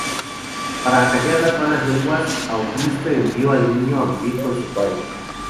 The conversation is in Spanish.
Para acallar las malas lenguas, Augusto envió al niño a vivir con su padre.